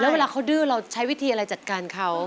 เวลาเขาดื้อเราใช้วิธีอะไรจัดการเขา